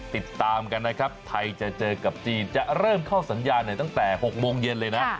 ติดตามกันนะครับไทยจะเจอกับจีนจะเริ่มเข้าสัญญาณตั้งแต่๖โมงเย็นเลยนะ